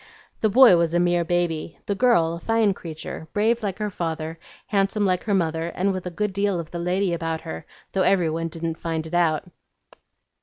The boy was a mere baby; the girl a fine creature, brave like her father, handsome like her mother, and with a good deal of the lady about her, though every one didn't find it out."